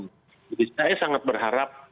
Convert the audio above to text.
jadi saya sangat berharap